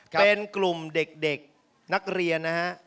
เป็นกลุ่มเด็กนักเรียนนะฮะ